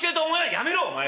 「やめろ！お前は。